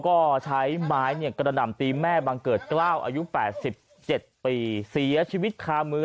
ก็ใช้ไม้กระหน่ำตีแม่บังเกิดกล้าวอายุ๘๗ปีเสียชีวิตคามือ